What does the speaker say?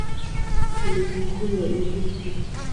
Ligi Kuu ya Ethiopia.